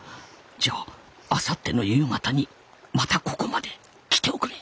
じゃああさっての夕方にまたここまで来ておくれ。